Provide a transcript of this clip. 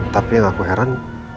tapi yang aku heran